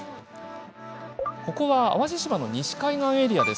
ここは淡路島の西海岸エリア。